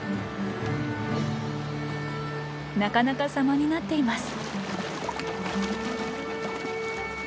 なかなか様になっています。